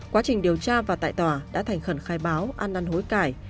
quá trình điều tra và tại tòa đã thành khẩn khai báo ăn năn hối cải